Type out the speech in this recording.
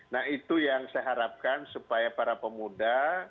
nah itu yang saya harapkan supaya para pemuda